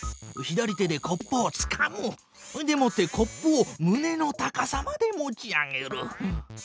左手でコップをつかむ！でもってコップをむねの高さまで持ち上げる！